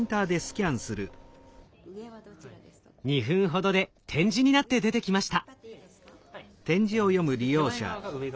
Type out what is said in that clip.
２分ほどで点字になって出てきました。